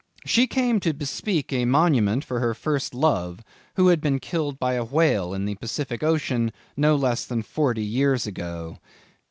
"She came to bespeak a monument for her first love, who had been killed by a whale in the Pacific ocean, no less than forty years ago."